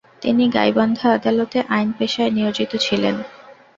তিনি গাইবান্ধা আদালতে আইন পেশায় নিয়োজিত ছিলেন।